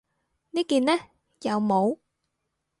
呢件呢？有帽